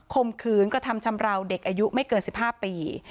คมขืนก็ทำชำเหล่าเด็กอายุไม่เกินสิบห้าปี